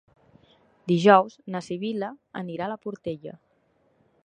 Dijous na Sibil·la anirà a la Portella.